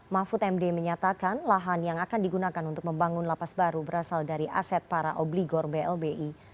mahfud md menyatakan lahan yang akan digunakan untuk membangun lapas baru berasal dari aset para obligor blbi